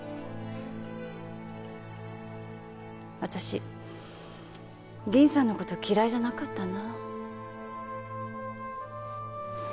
私銀さんの事嫌いじゃなかったな。